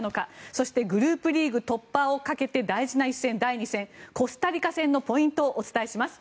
そしてグループリーグ突破をかけて大事な一戦、第２戦コスタリカ戦のポイントをお伝えします。